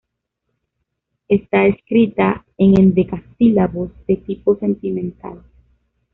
Está escrita en endecasílabos de tipo sentimental.